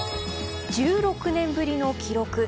１６年ぶりの記録。